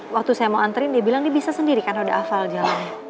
waktu saya mau antrin dia bilang dia bisa sendiri karena udah hafal jalannya